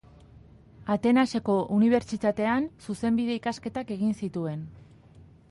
Atenaseko Unibertsitatean zuzenbide ikasketak egin zituen.